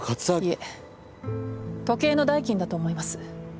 いえ時計の代金だと思います。